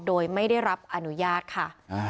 โดยไม่ได้รับอนุญาตค่ะ